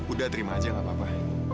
udah terima aja gak apa apa